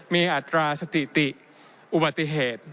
มีอัตราสถิติอุบัติเหตุ